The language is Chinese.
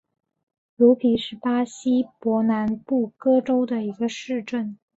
茹皮是巴西伯南布哥州的一个市镇。